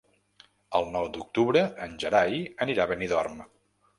El nou d'octubre en Gerai anirà a Benidorm.